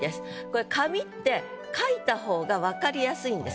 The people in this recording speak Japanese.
これ「髪」って書いた方が分かりやすいんです。